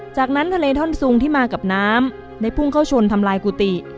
จากนั้นทะเลท่อนซุงที่มากับน้ำได้พุ่งเข้าชนทำลายกุฏิ